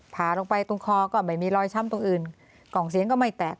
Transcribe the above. ผ่าลงไปตรงคอก็ไม่มีรอยช้ำตรงอื่นกล่องเสียงก็ไม่แตก